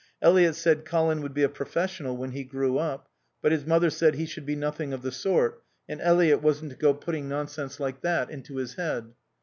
Eliot said Colin would be a professional when he grew up, but his mother said he should be nothing of the sort and Eliot wasn't to go putting nonsense like that into his head.